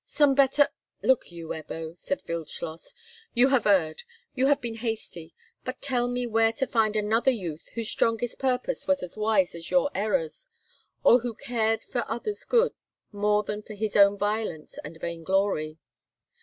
Some better—" "Look you, Ebbo," said Wildschloss; "you have erred—you have been hasty; but tell me where to find another youth, whose strongest purpose was as wise as your errors, or who cared for others' good more than for his own violence and vainglory?